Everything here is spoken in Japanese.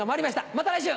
また来週！